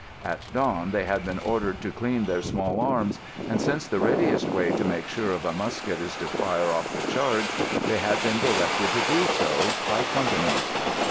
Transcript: At dawn they had been ordered to clean their small arms, and since the readiest way to make sure of a musket is to fire off the charge, they had been directed to do so, by companies.